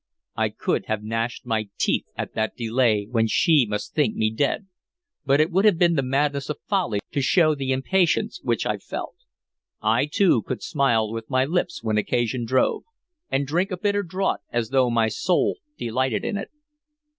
I could have gnashed my teeth at that delay when she must think me dead, but it would have been the madness of folly to show the impatience which I felt. I too could smile with my lips when occasion drove, and drink a bitter draught as though my soul delighted in it.